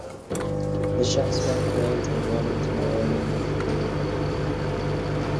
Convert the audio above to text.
د شخص وخت ځای څرنګوالی څومره والی له مخې ډولونه لري.